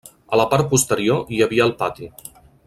A la part posterior hi havia el pati.